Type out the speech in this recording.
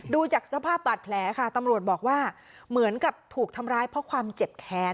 ดูจากสภาพบาดแผลค่ะตำรวจบอกว่าเหมือนกับถูกทำร้ายเพราะความเจ็บแค้น